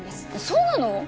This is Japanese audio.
そうなの！？